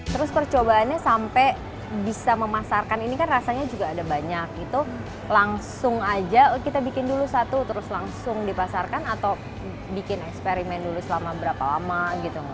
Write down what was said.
terus percobaannya sampai bisa memasarkan ini kan rasanya juga ada banyak gitu langsung aja kita bikin dulu satu terus langsung dipasarkan atau bikin eksperimen dulu selama berapa lama gitu